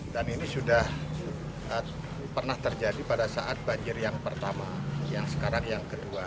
dan ini sudah pernah terjadi pada saat banjir yang pertama yang sekarang yang kedua